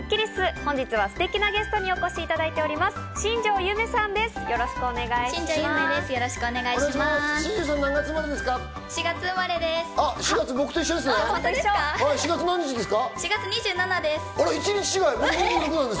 本日はステキなゲストにお越しいただいております。